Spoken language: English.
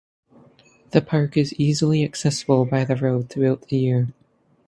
The park is easily accessible by the road throughout the year.